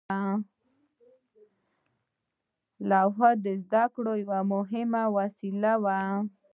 لوحه د زده کړې یوه مهمه وسیله وه.